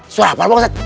suara apa pak ustadz